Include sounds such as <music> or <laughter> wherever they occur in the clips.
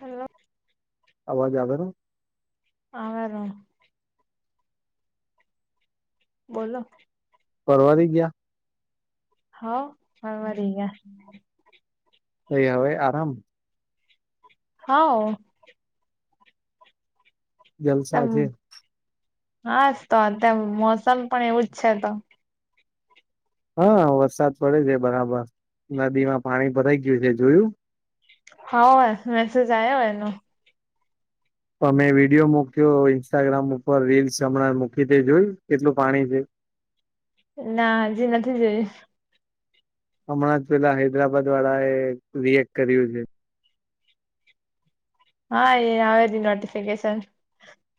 Hello. અવાજ આવેરો. આવેરો. બોલો. પરવારી ગીયા. હવ પરવારી ગીયા. પઇ હવે આરામ. હઉ. જલસા તમ છે હાશ તો અત મોસમ પણ એવું જ છે તો. હા વરસાદ પડે છે બરાબર નદીમાં પાણી ભરાઈ ગ્યું છે જોયું. હોવે મેસેજ આયો એનો. અમે વિડીયો મૂક્યો ઇન્સ્ટાગ્રામ ઉપર રીલ્સ હમણાં મૂકી તે જોયું કેટલું પાણી છે. ના હજી નથી જોયું. હમણાં જ પેલા હૈદરાબાદ વાળા એ રિએક્ટ કર્યું છે. હા એ આવેલી નોટિફિકેશન.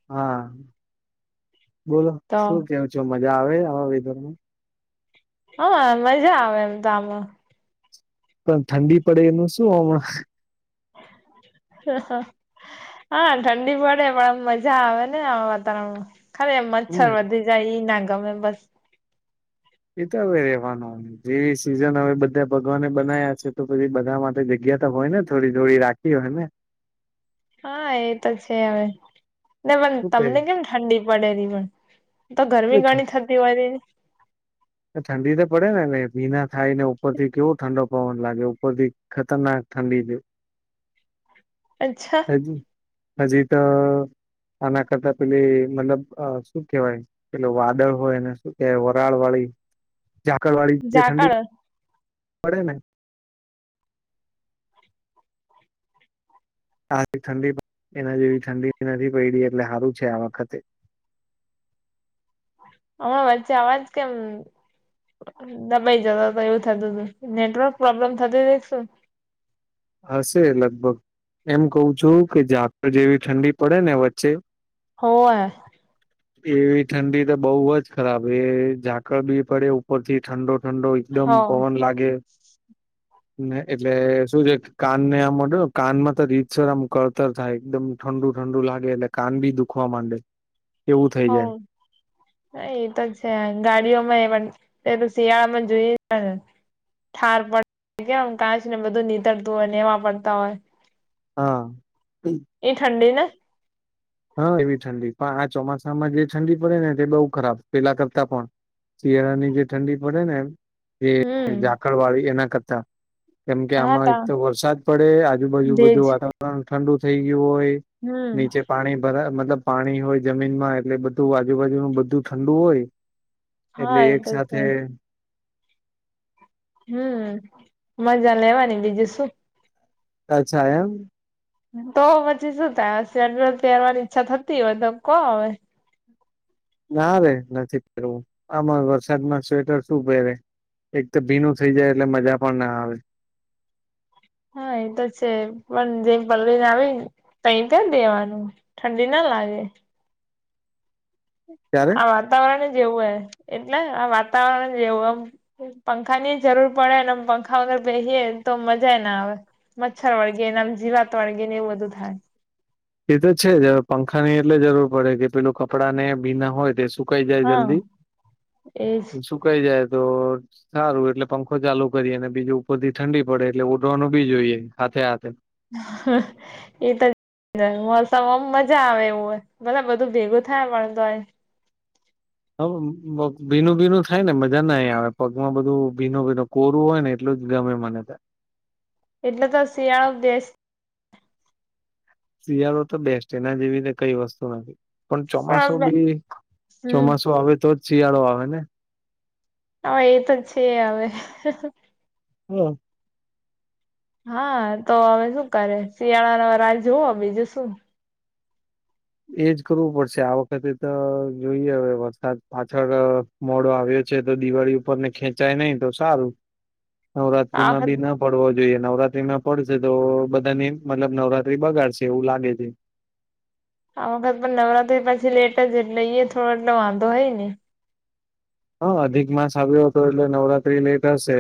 હા બોલો તો શું કેવ છો. મજા આવે આવા વેધરમાં? હા મજા આવે એમ તો આમાં. તો ઠંડી પડે એનું શું અમના. હહ હહ હા ઠંડી પડે પણ આમ મઝા આવે ને આવા વાતાવરણમાં. ખરે એમ મચ્છર વધી જાય ઇ ના ગમે બસ. ઈ તો હવે રેવાનું. જેવી સિઝન હવે બધા ભગવાને બનાયા છે તો પછી બધા માટે જગ્યા ત હોય ને થોડી થોડી રાખ ખી હોય ને. હા એતો છે હવે. ને પણ શું તમને કેમ ઠંડી પડે રી પણ. તો ગરમી ક ઘણી થતી હોય છે ને. ઠંડી તો પડે ને એ ભીના થાય ને ઉપરથી કેવો ઠંડો પવન લાગે ઉપરથી ખતરનાક ઠંડી છે. અચ્છા. હજી ત આના કરતા પેલી મતલબ અ શું કેવાય. પેલો વાદળ હોય એને શું કે વરાળ વાળી ઝાકળવાળી જે ઠંડી ઝાકળ પડે ને હારી ઠંડી એના જેવી ઠંડી નથી પયડી એટલે હારું છે આ વખતે. હમણાં વચ્ચે આવાજ કેમ દબાઈ જતો તો એવું થતું તું. નેટવર્ક પ્રોબ્લેમ થતી તી કે શું? હશે લગભગ. એમ કઉ છું કે જાકળ જેવી ઠંડી પડે ને વચ્ચે હોવે. એવી ઠંડી તો બહુ જ ખરાબ. એ ઝાકળ બી પડે ઉપર થી ઠંડો ઠંડો એક હ દમ પવન લાગે ને એટલે શું છે ક કાન ને આમ અડો કાનમાં તો રીતસર આમ કળતર થાય એકદમ ઠંડુ ઠંડુ લાગે એટલે. કાન બી દુખવા માંડે. એવું થઈ હોવ જાય એ તો છે ગાડીઓમાં એ પણ પેલું શિયાળામાં જોઈએ છીએ ને ઠાર પડ કેમ આમ કાચ ને બધું નીતરતું હોય નેવા પડતા હોય. હા એ ઠંડી ને? હા એવી ઠંડી. પણ આ ચોમાસામાં જે ઠંડી પડે ને તે બઉુ ખરાબ પેલા કરતા પણ. શિયાળાની જે ઠંડી પડે ને જે હમ ઝાકળ વાળી એના કરતા. કેમ કે હા આમાં એક તા તો વરસાદ પડે, આજુબાજુ ભેજ બધું વાતાવરણ ઠંડુ થઇ ગયું હોય. હમ નીચે પાણી ભરા મતલબ પાણી હોય જમીન માં એટલે બધું આજુબાજુનું બધું ઠંડુ હોય. હા એટલે એ એક તો છે સાથે હમ મજા લેવાની બીજું શું. અચ્છા એમ. તો પછી શું થાય. હવે સ્વેટર પહેરવાની ઈચ્છા થતી હોય તો કો હવે. ના રે નથી પહેરવું આમાં વરસાદમાં સ્વેટર શું પહેરે. એક તો ભીનું થઈ જાય એટલે મજા પણ ના આવે. હા એ તો છે પણ જેમ પલવીને આવેને તઈ પેર દેવાનું ઠંડી ના લાગે. ત્યારે આ વાતાવરણ જેવું હ. એટલે આ વાતાવરણ જેવું એમ. પંખા ની જરૂર પડે ને પંખા વગર બેસીએ તો મજા ના આવે. મચ્છર વળગેને આમ, જીવાત વળગે ને એવું બધું થાય. એ તો છે જ હવે પંખાની એટલે જરૂર પડે કે પેલું કપડાં ને ભીના હોય તે સુ સુકાઈ જાય હા જલ્દી, એજ અન સુકાઈ જાય તો સારું. એટલે પંખો ચાલુ કરીએ અને બીજું ઉપરથી ઠંડી પડે એટલે ઓઢવાનુ બી જોઈએ. હાથે હાથે. <inaudible> એ તો <unintelligible> મોસમ આમ મજા આવે એવું હોય. ભલે બધું ભેગું થાય પણ તોય. હ ભીનું ભીનું થાય ને મજા નય આવે પગમાં બધું ભીનો ભીનો કોરું હોય ને એટલું જ ગમે મને તા. એટલે તો શિયાળો દેશ શિયાળો તો બેસ્ટ. એના જેવીને કઈ વસ્તુ નથી. પણ ચોમાસું પણ બી. હમ ચોમાસું આવે તો જ શિયાળો આવે ને? હવે એ તો છે હવે. હ હા તો હવે શું કરે. શિયાળા ન રાહ જોવો બીજું શું. એજ કરવું પડશે, આ વખતે તો જોઈએ હવે વરસાદ પાછળ મોડો આવ્યો છે તો દિવાળી ઉપરને ખેંચાય નહી તો સારું. આ નવરાત્રીમાં બી વખત ન ફડવો જોઈએ. નવરાત્રીમાં ફડશે તો બધાની મતલબ નવરાત્રી બગાડશે એવું લાગે છે. આ વખત પણ નવરાત્રી પછી લેટ જ એટલે ઈ થોડો એટલો વાંધો હોય ને. હા અધિક માસ આવ્યો હતો એટલે નવરાત્રી લેટ હશે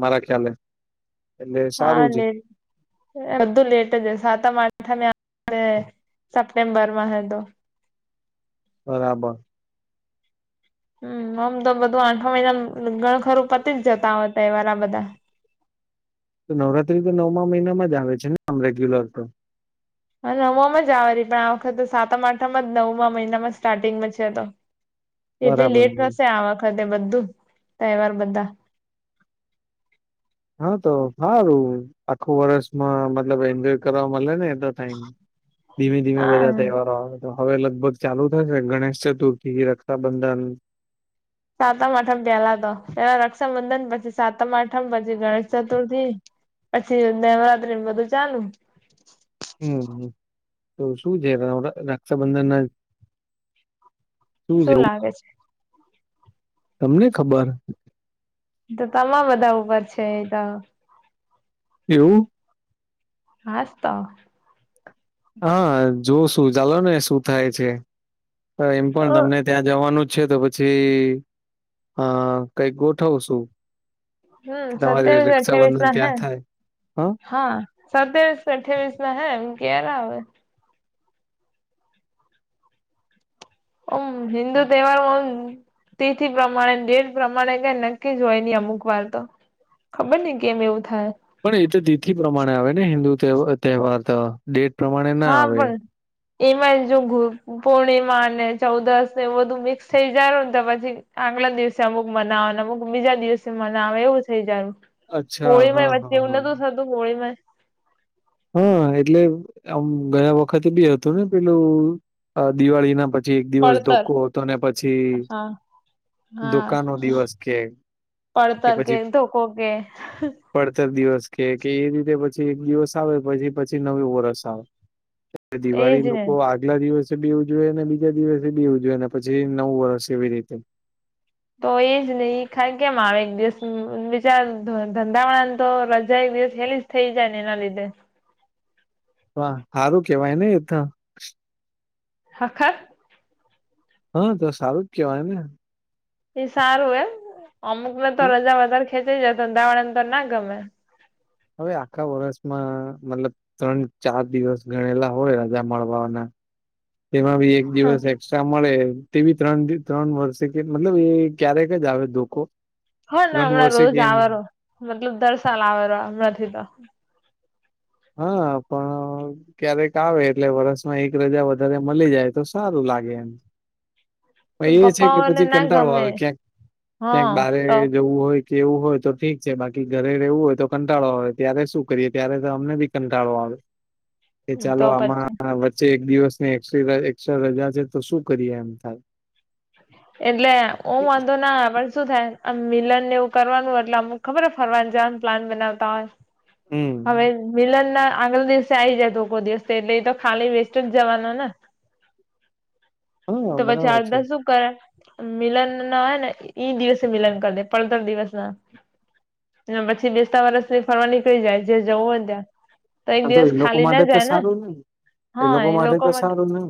મારા ખ્યાલે. એટલે હા સારું ને જ બધું લેટ જ હોય, સાતમ આઠમે આ વખતે સેપ્ટેમ્બરમાં હતુ. બરાબર. હમ. ઓમ તો બધું આઠમા મહિનામ ઘણુ ખરું પતી જ જતા હોય તહેવાર આ બધા. તો નવરાત્રી તો નવમા મહિનામાં જ આવે છે ને આમ રેગ્યુલર તો? હ નવામાં જ આવે છ પણ આ વખતે સાતમ આઠમ જ નવમાં મહિનામાં સ્ટાર્ટિંગમાં છે તો. એટલી બરાબર લેટ થશે આ વખતે બધું. તહેવાર બધા. હા તો સારું. આખું વર્ષમાં મતલબ એન્જોય કરવા મલે ને એ તો થાય. ધીમે ધીમે બધા હા તહેવારો આવે. તો હવે લગભગ ચાલુ થશે ગણેશ ચતુર્થી, રક્ષાબંધન. સાતમ આઠમ પેલા તો પેલા રક્ષાબંધન પછી સાતમ આઠમ પછી ગણેશ ચતુર્થી. પછી નવરાત્રી બધું ચાલુ. હમ, તો શું છે રક્ષાબંધન ના શું લાગે છે? તમને ખબર. તો તમામ બધા ઉપર છે એ તો. એવું? હાસ્તો. હા જોવ શું ચાલો ને શું થાય છે તો, એમ પણ તમને ત્યાં જવાનું છે તો પછી અ કઈક ગોઠવ છું. હમ સત્યાવીસ અઠ્યાવીસ ના હે, ત્યાં થાય હા. સત્યાવીસ ને અઠવીસ ના હે એમ ક્યારે આવે? હમ હિન્દુ તહેવાર હો તેથી પ્રમાણે ડેટ પ્રમાણે કઈ નક્કી જ હોયની અમુક વાર તો. ખબર નહ કેમ એવું થાય. પણ એ તો તિથિ પ્રમાણે આવે ને હિન્દુ તહેવાર તો. ડેટ પ્રમાણે ના હા આવે પણ, એમાં જો ઘુર. પૂર્ણિમા ને ચૌદસ ને એવું બધું મિક્સ થઇ જનું ને તો પછી આગલા દિવસે અમુક મનાવે અમુક બીજા દિવસે મનાવે એવું થઈ જારું. અચ્છા હોળીમાંય હા વચ્ચે હા એવું હા નોતું થતું હોળીમાંય. હા એટલે આમ ગયા વખતે બી હતું ને પેલું દિવાળી ના પ પછ એક દિવસ પડતર ધોકો હતો અને પછી હા હા, ધોકાનો દિવસ કે પડતર કે ધોકો કે. પડતર દિવસ કે કે એ રીતે પછી એક દિવસ આવે પછી પછી નવું વરષ આવે. એજ દિવાળી ને લોકો આ ટલા દિવસે બી ઉજવેય ને બીજા દિવસે બી ઉજવે ને પછી નવું વર્ષ એવી રીતે. તો એજ નહી ખ કેમ આવે એક દિવસ બચાર ધંધાવાળાની તો રજા એક દિવસ હેલી. થઈ જાય ને એના લીધે. વાહ! હારું કેવાય ને એતો. હાખર. હા તો સારું જ કેવાય ને. એ સારું એમ અમુક ને તો રજા વધારે ખેચાય જાય ધંધાવાડા ને તો ના ગમે. હવે આખા વર્ષમાં મતલબ ત્રણ ચાર દિવસ ગણેલા હોય રજા મળવાના. તેમાં બી એક હ દિવસ એકસ્ટ્રા મળે. તેવી ત્રણ ત્રણ વર્ષે કે મતલબ એ ક્યારેક જ આવે ધોકો. હા ના ત્રણ હમણાં વર્ષે રોજ કેમ આવેરો મતલબ દર્શાલ આવેરો હમણાંથી તો. હા પણ ક્યારેક આવે એટલે વરષમાં એક રજા વધારે મલી જાય તો સારું લાગે એમ. પણ એ છે કે પપ્પાઓને પછી ના કંટાળો ગમે આવે ક્યાંક ક્યાંક હા બારે તો જવું હોય કેવું હોય તો ઠીક છે બાકી ઘરે રહેવું હોય તો કંટાળો આવે ત્યારે શું કરીએ ત્યારે અમને બી કંટાળો આવે કે ચાલો તો પછી આમાં વ ચ્ચે એક દિવસની એક્સટ્રી એક્સ્ટ્રા રજા છે તો શું કરીએ એમ થાય. એટલે ઓમ વાંધો ના પણ શું થાય આમ મિલન ને એવું કરવાનું એટલે અમુક ખબરહ ફરવાન જવાન પ્લાન બનાવતા હોય. હમ હવે મિલન ના આગલા દિવસે આઈ જાય ઘોકો દિવસે એટલે એ તો ખાલી વેસ્ટ જ જવાનો ને. હા તો પછી બરાબર આઠ છે દસ શું કરે મિલન ના હોય ને એઈ દિવસે મિલન કરી દે પડતર દિવસ ના. ને પછી બેસતા વરષ ની ફરવા નીકળી જાય જે જવું હોયને ત્યાં. તો એક આ દિવસ એ લોકો ખાલી માટે ના તો જાય ને સારું હા એ માટે લોકો તો માટ સારું ને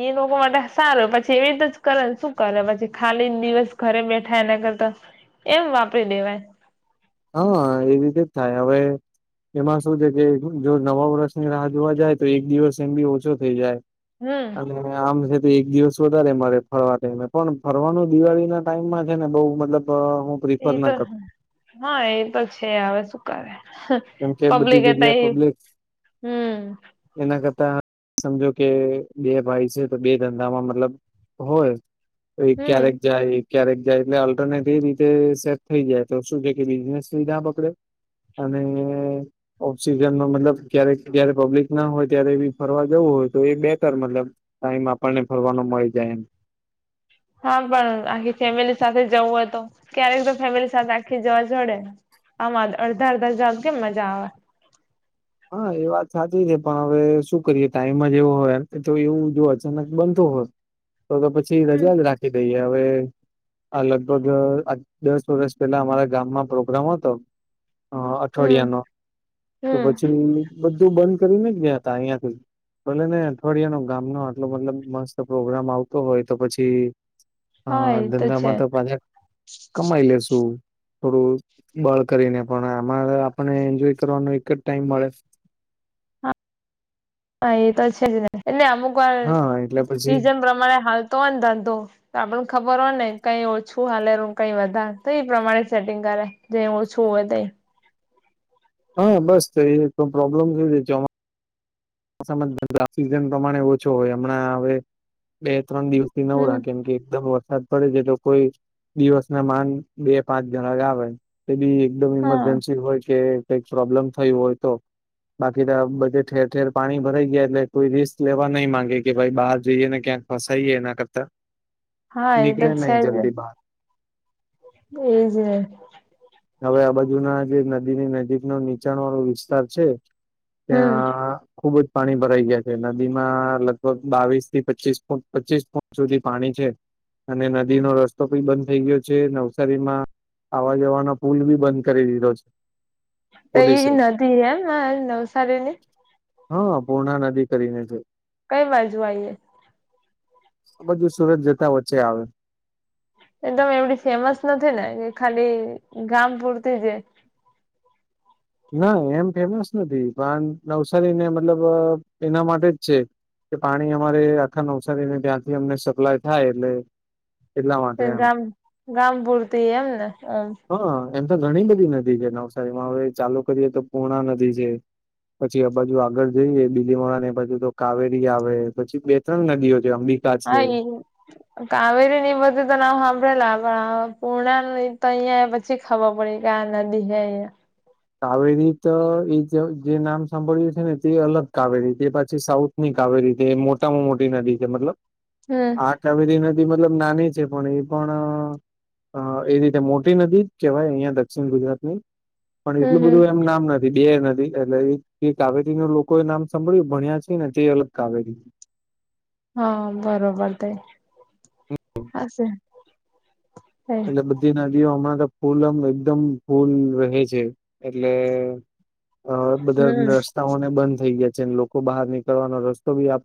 ઈ લોકો માટે સારું પછી એવી રીતે જ કરે ને શું કરે પછી ખાલી દિવસ ઘરે બેઠા એના કરતા. એમ વાપરી દેવાય. હા એ રીતે જ થાય હવે એમાં શું છે કે જો નવા વરસની રાહ જોવા જાય તો એક દિવસ એમ બી ઓછો થઈ જાય. હમ હલો. આમ છે તો એક દિવસ વધારે મળે ફરવા ટાઈમે પણ ફરવાનું દિવાળી ના ટાઈમમાં છે ને બહુ મતલબ બ હુ એ તો હા એ તો છે હવે શું કરે. કેમ કે બધી પબ્લિકે જગ્યાએ તઈ પબ્લિક હમ. એના કરતા સમજો કે બે ભાઈ છે તો બે ધંધામાં મતલબ હોય તો એ હમ ક્યારેક જાય ક્યારેક જાય એટલે અલ્ટરનેટ એ રીતે સેટ થઈ જાય તો શું છે કે બિઝનેસબી ના બગડે અને ઓફ સિજન મા મતલબ ક્યારેક જયારે પબ્લિક ના હોય ત્યારે બી ફરવા જવું હોય તો એ બેતર મતલબ ટાઈમ આપણને ફરવાનો મળી જાય એમ. હા પણ આખી ફેમિલી સાથે જવું હોય તો ક્યારેક તો ફેમિલી સાથે આખી જવા જડેને. આમ અદ અડધા અડધા જાવ કેમ મજા આવે. હા એ વાત સાચી છે પણ હવે શું કરીએ ટાઈમમાં જ એવો હોય એમ તો એવું જો અચાનક બનતો હોય તો તો પછી હમ રજા જ રાખી દઈએ હવે આ લગભગ આ દસ વરસ પેલા અમારા ગામમાં પ્રોગ્રામ હતો હ અઠવારિયા હમ નો. હમ. દિલ્લી બધું બંધ કરીને ગયા તા અહિયાંથી. ભલે ને અઠવાડિયાનો ગામ નો આટલો મતલબ મસ્ત પ્રોગ્રામ આવતો હોય તો પછી હા ધંધામાં તો પાછા કમાઈ લેશુ. થોડું બળ કરીને પણ આમાં આપને એન્જોય કરવાનો એક જ ટાઈમ મળે. હા એ તો છે જ ને એને અમુક વાર હા એટલે પછી સીઝન પ્રમાણે હાલતો હો ન ધંધો તો આપણ ખબર હોય ને કઈ ઓછું હાલેરું, કઈ વધા તો એ પ્રમાણે સેટિંગ કરે. જે ઓછું હોય તે. હા બસ તો એ પ્રોબ્લેમ થઈ રે જમા જ સિઝન પ્રમાણે ઓછો હોય હમણાં હવે બે ત્રણ દિવસ થી હમ નવરા કેમ કે એકદમ વરસાદ પડે છે તો કોઈ દિવસના માન બે પાંચ જણા આવે તો બી એકદમ હા ઈમરજન્સી હોય કે કઈક પ્રોબ્લેમ થયું હોય તો બાકીના તા બધે ઠેર ઠેર પાણી ભરાઈ ગયા એટલે કોઈ રિસ્ક લેવા નહી માંગે. કે ભાઈ બહાર જઈએ ને ક્યાંક ફસાઈએ એના કરતા. હા એ તો નીકલે નહી જલ્દી બહાર. તો ઇજ ને. હવે આ બાજુ ના જે નદીની નજીક નો નીચાણ વાળો વિસ્તાર છે. હમ ત્યાં ખુબ જ પાણી ભરાઈ ગયા છે. નદીમાં લગભગ બાવીસથી પચીસ ફૂટ પચીસ ફૂટ સુધી પાણી છે. અને નદીનો રસ્તો પણી બંધ થઈ ગયો છે. નવસારીમાં આવા જવાનો પુલ બી બંધ કરી દીધો છે. તો પોલીસે એઈ નદી એમ નવસારી ની હા પૂર્ણા નદી કરીને છે. કઈ બાજુ આઈ એ? આ બાજુ સુરત જતા વચ્ચે આવે. એકદમ એવડી ફેમસ નથી ને, કે ખાલી ગામ પૂરતી જ હે. ના એમ ફેમસ નથી. પણ નવસારીને મતલબ એના માટે જ છે. કે પાણી અમારે આખા નવસારીને ત્યાંથી અમને સપ્લાય થાય એટલે. એટલા તે માટે એમ ગામ ગામ પૂરતી એમ ને ઓમ હા એમ તો ઘણી બધી નદી છે. નવસારીમાં હવે ચાલુ કરીએ તો પૂર્ણા નદી છે. પછી આ બાજુ આગળ જઈએ બીલીમળ ને બાજુ તો કાવેરી આવે, પછી બે ત્રણ નદીઓ છે અંબી હા એ. <inaudible> કાવેરી ની એ બધું તો નામ સાંભળેલા પણ પૂર્ણા તો અહિયાં પછી પછી ખબર પડી કે આ નદી હે એમ. કાવેરી તો એ જે નામ સાંભળ્યું છે ને તે અલગ કાવેરી એ પછી સાઉથ ની કાવેરી છે મોટામાં મોટી નદી છે મતલબ હમ આ કાવેરી નદી મતલબ નાની છે પણ એ પણ અ એ રીતે મોટી નદી જ કેવાય અહિયાં દક્ષિણ ગુજરાત ની પણ હમ એટલું હમ બધું એમ નામ નથ બે નથી એટલે કાવેરીના લોકો એ નામ સાંભળ્યું ભણ્યા છે ને તે અલગ કાવેરી. હા બરોબર તે હશે. એટલે બધી નદીઓ હમણાં તો ફૂલમ એકદમ ફૂલ રહે છે એટલે. અ હમ બધા રસ્તાઓને બંધ થઈ ગયા છે અને લોકો બહાર નીકળવાનો રસ્તો બી આપ